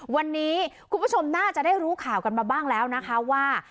วันนี้คุณผู้ชมน่าจะได้รู้ข่าวกันมาบ้างแล้วนะคะว่า